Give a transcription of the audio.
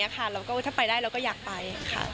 ถ้าไปได้เราก็อยากไป